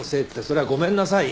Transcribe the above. それはごめんなさい。